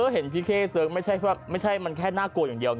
เห็นพี่เข้เสิร์งไม่ใช่มันแค่น่ากลัวอย่างเดียว